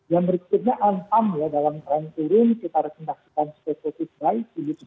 yang berikutnya anpam ya dalam trend turun kita rekomendasikan spesifikai